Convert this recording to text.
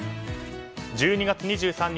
１２月２３日